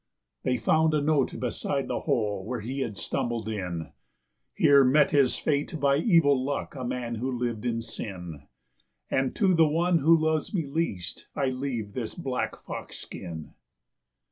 They found a note beside the hole where he had stumbled in: "Here met his fate by evil luck a man who lived in sin, And to the one who loves me least I leave this black fox skin."